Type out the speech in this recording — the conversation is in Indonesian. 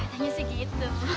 katanya sih gitu